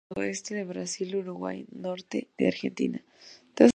Nativa del sudeste de Brasil, Uruguay, norte de Argentina.